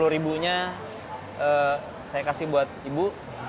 empat puluh ribunya saya kasih buat ibu